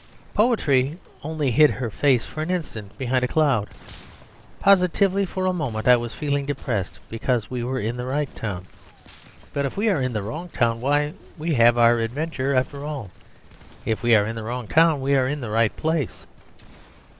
Poetry only hid her face for an instant behind a cloud. Positively for a moment I was feeling depressed because we were in the right town. But if we are in the wrong town why, we have our adventure after all! If we are in the wrong town, we are in the right place."